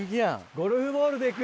ゴルフボールで行くよ。